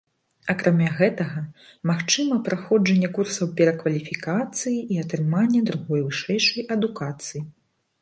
Акрамя гэтага, магчыма праходжанне курсаў перакваліфікацыі і атрымання другой вышэйшай адукацыі.